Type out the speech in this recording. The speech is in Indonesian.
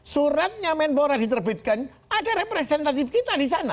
suratnya menpora diterbitkan ada representatif kita di sana